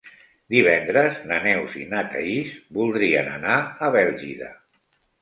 Divendres na Neus i na Thaís voldrien anar a Bèlgida.